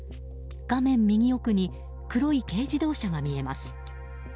画面右奥に黒い軽自動車が見えます。